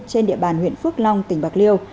trên địa bàn huyện phước long tỉnh bạc liêu